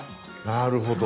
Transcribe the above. なるほど。